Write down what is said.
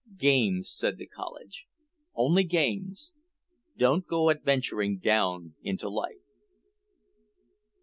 "Games," said the college. "Only games. Don't go adventuring down into life."